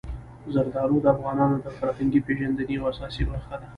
زردالو د افغانانو د فرهنګي پیژندنې یوه اساسي برخه ده.